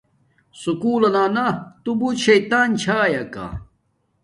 سکُول لنا تو بوت شطان چھایاکا